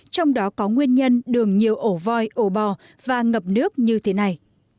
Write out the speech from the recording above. trong đó có nguyên nhân đường nhiều ổ voi ổ bò và ngập nước như thế này